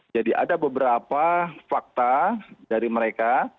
jadi ada beberapa fakta dari mereka